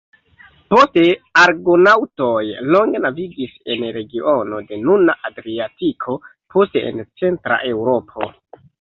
Poste Argonaŭtoj longe navigis en regiono de nuna Adriatiko, poste en centra Eŭropo.